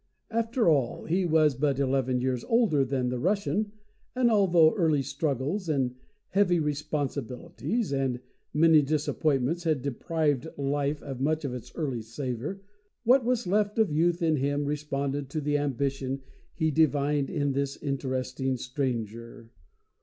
After all, he was but eleven years older than the Russian, and, although early struggles and heavy responsibilities and many disappointments had deprived life of much of its early savor, what was left of youth in him responded to the ambition he divined in this interesting stranger.